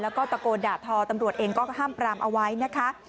แล้วก็ตะโกนด่าทอตำรวจเองก็ห้ามปรามเอาไว้นะคะ